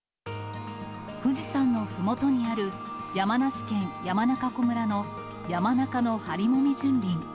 富士山のふもとにある山梨県山中湖村の山中のハリモミ純林。